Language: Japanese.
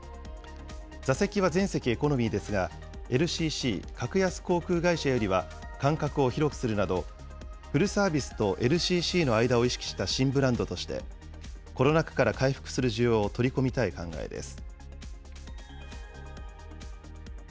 座席は全席エコノミーですが、ＬＣＣ・格安航空会社よりは間隔を広くするなど、フルサービスとＬＣＣの間を意識した新ブランドとして、コロナ禍から回復する需要を取り込みたい考えです。